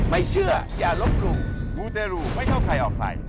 ไม่เชื่ออย่าลบหลู่มูเตรูไม่เข้าใครออกใคร